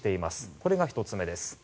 これが１つ目です。